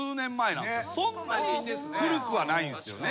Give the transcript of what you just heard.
そんなに古くはないんすよね。